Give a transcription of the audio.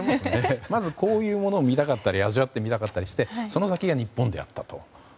まずこういうものを見たかったり、味わってみたくてその先が日本であったと。